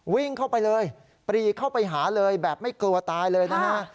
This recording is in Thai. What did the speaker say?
วิ่งเข้าไปเลยปรีเข้าไปหาเลยแบบไม่กลัวตายเลยนะฮะ